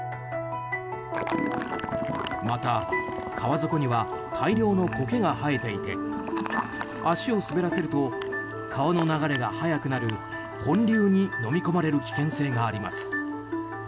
また、川底には大量のコケが生えていて足を滑らせると川の流れが速くなる本流にのみ込まれる危険性があります。